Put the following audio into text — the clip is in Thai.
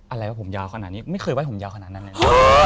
อะไรว่าผมยาวขนาดนี้ไม่เคยไห้ผมยาวขนาดนั้นเลย